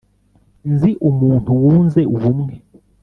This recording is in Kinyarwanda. Nzi umuntu wunze ubumwe